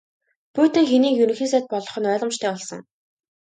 Путин хэнийг Ерөнхий сайд болгох нь ойлгомжтой болсон.